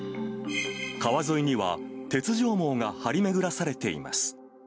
川沿いには鉄条網が張り巡らされています。